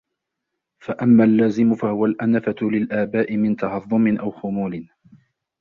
فَأَمَّا اللَّازِمُ فَهُوَ الْأَنَفَةُ لِلْآبَاءِ مِنْ تَهَضُّمٍ أَوْ خُمُولٍ